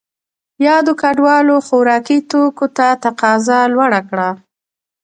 یادو کډوالو خوراکي توکو ته تقاضا لوړه کړه.